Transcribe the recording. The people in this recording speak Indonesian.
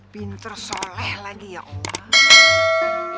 pinter soleh lagi ya allah